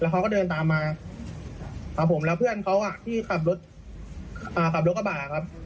แล้วเขาก็เดินตามมาแล้วเพื่อนเขาที่ขับรถกระบาดครับ